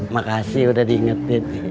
makasih udah diingetin